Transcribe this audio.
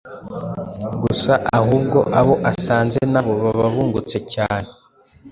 gusa ahubwo abo asanze nabo baba bungutse cyane.